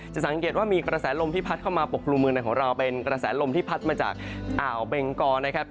สังเกตว่ามีกระแสลมที่พัดเข้ามาปกกลุ่มเมืองในของเราเป็นกระแสลมที่พัดมาจากอ่าวเบงกอนะครับ